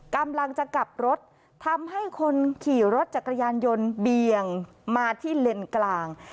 กำลังจะกลับรถทำให้คนขี่รถจักรยานยนต์เบี่ยงมาที่เลนกลาง